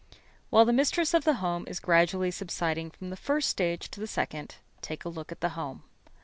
While the mistress of the home is gradually subsiding from the first stage to the second, take a look at the home.